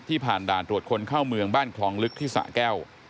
ผ่านด่านตรวจคนเข้าเมืองบ้านคลองลึกที่สะแก้ว